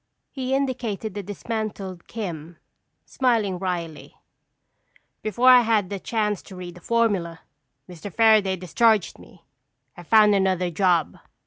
He indicated the dismantled "Kim," smiling wryly. "Before I had a chance to read the formula, Mr. Fairaday discharged me. I found another job.